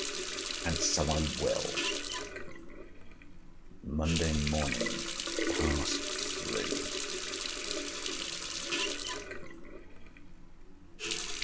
And so I will. MONDAY MORN. PAST THREE.